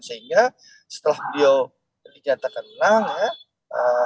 sehingga setelah beliau dinyatakan menang ya